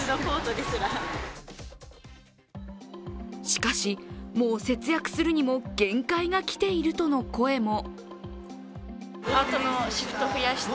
しかし、もう節約するにも限界が来ているとの声も。